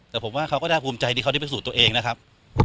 แต่ผมว่าเขาก็น่าภูมิใจที่เขาได้พิสูจน์ตัวเองนะครับ